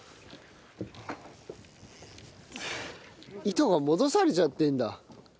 糸が戻されちゃってるんだ。